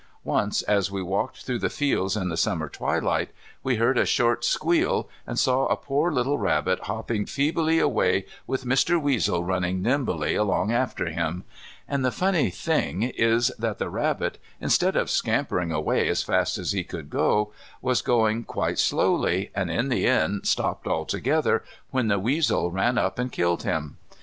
Once, as we walked through the fields in the Summer twilight, we heard a short squeal and saw a poor little rabbit hopping feebly away with Mr. Weasel running nimbly along after him. And the funny thing is that the rabbit instead of scampering away as fast as he could go, was going quite slowly, and in the end stopped altogether, when the weasel ran up and killed him.